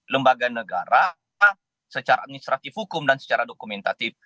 lembaga negara secara administratif hukum dan secara dokumentatif